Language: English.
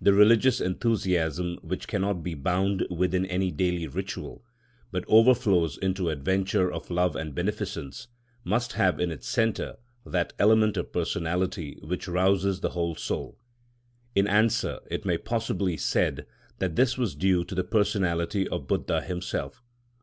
The religious enthusiasm which cannot be bound within any daily ritual, but overflows into adventures of love and beneficence, must have in its centre that element of personality which rouses the whole soul. In answer, it may possibly be said that this was due to the personality of Buddha himself.